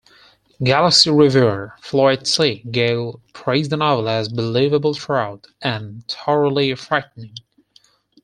"Galaxy" reviewer Floyd C. Gale praised the novel as "believable throughout and thoroughly frightening.